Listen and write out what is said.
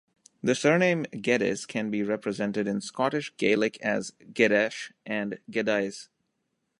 The surname Geddes can be represented in Scottish Gaelic as "Geadasach" and "Geadais".